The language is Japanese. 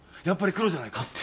やっぱりクロじゃないか。